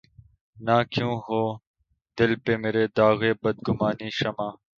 نہ کیوں ہو دل پہ مرے داغِ بدگمانیِ شمع